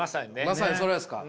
まさにそれですか？